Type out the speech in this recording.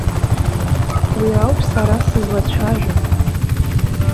Уи ауп сара сызлацәажәо.